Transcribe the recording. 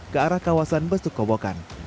ke arah kawasan bestukobokan